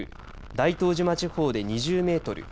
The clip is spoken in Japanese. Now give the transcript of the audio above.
大東島地方で２０メートル